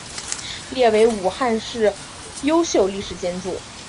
列为武汉市优秀历史建筑。